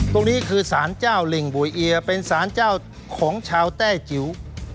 ตรงนี้คือสารเจ้าเหล็งบัวเอียเป็นสารเจ้าของชาวแต้จิ๋ว